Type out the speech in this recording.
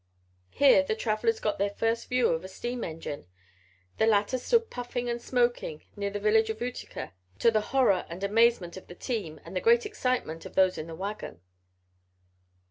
Here the travelers got their first view of a steam engine. The latter stood puffing and smoking near the village of Utica, to the horror and amazement of the team and the great excitement of those in the wagon.